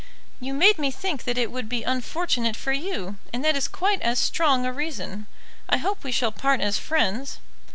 "You made me think that it would be unfortunate for you, and that is quite as strong a reason. I hope we shall part as friends."